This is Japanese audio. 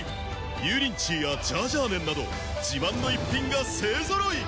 油淋鶏やジャージャー麺など自慢の逸品が勢揃い！